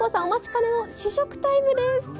お待ちかねの試食タイムです。